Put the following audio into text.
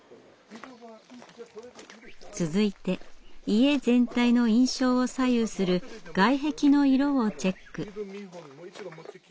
続いて家全体の印象を左右する外壁の色をチェック。